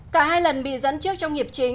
cả hai lần bị dẫn trước trong hiệp chính